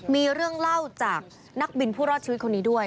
มีเรื่องเล่าจากนักบินผู้รอดชีวิตคนนี้ด้วย